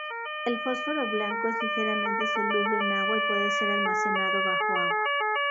El fósforo blanco es ligeramente soluble en agua y puede ser almacenado bajo agua.